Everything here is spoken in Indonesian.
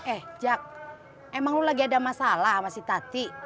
eh jak emang lo lagi ada masalah masih tati